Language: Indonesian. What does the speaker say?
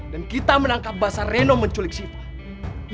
dan kita menangkap basar reno menculik sifah